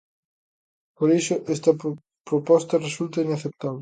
Por iso, esta proposta resulta inaceptable.